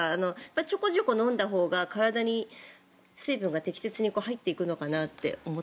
ちょこちょこ飲んだほうが体に水分が適切に入っていくのかなって。